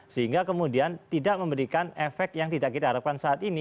sehingga kemudian tidak memberikan efek yang tidak kita harapkan saat ini